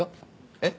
えっ？